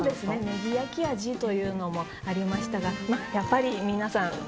ねぎ焼き味というのもありましたがやっぱり皆さん